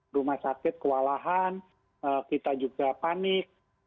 rumah sakit kewalahan kita juga panik